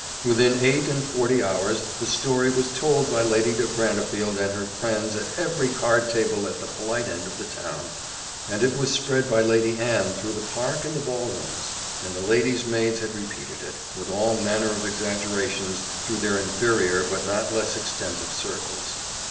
Within eight and forty hours the story was told by Lady de Brantefield and her friends at every card table at the polite end of the town, and it was spread by Lady Anne through the park and the ball rooms; and the ladies' maids had repeated it, with all manner of exaggerations, through their inferior but not less extensive circles.